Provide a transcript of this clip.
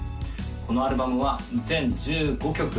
このアルバムは全１５曲